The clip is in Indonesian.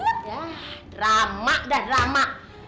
yah drama dah drama